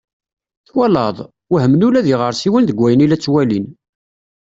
Twalaḍ! Wehmen ula d iɣersiwen deg wayen i la ttwalin.